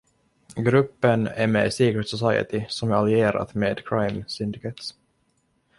Gruppen är med Secret Society, som är allierat med Crime Syndicate.